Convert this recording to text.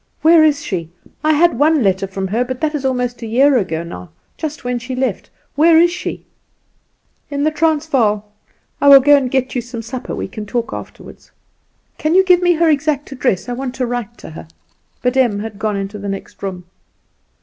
"Where is she? I had one letter from her, but that is almost a year ago now just when she left. Where is she?" "In the Transvaal. I will go and get you some supper; we can talk afterward." "Can you give me her exact address? I want to write to her." But Em had gone into the next room.